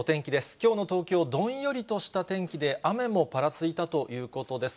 きょうの東京、どんよりとした天気で、雨もぱらついたということです。